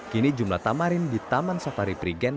kini jumlah tamarin di taman safari prigen